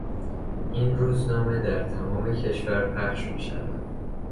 این روزنامه در تمام کشور پخش میشود.